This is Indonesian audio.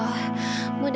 kamu bisa berhati